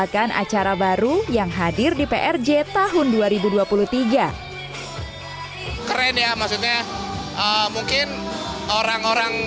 hai bahkan acara baru yang hadir di prj tahun dua ribu dua puluh tiga keren ya maksudnya mungkin orang orang